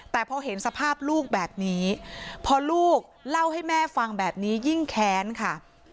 แต่พอเห็นสภาพลูกแบบนี้พอลูกเล่าให้แม่ฟังแบบนี้ยิ่งแค้นค่ะ